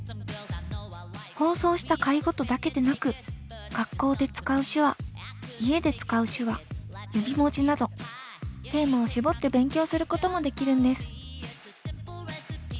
放送した回ごとだけでなく学校で使う手話家で使う手話指文字などテーマを絞って勉強することもできるんです。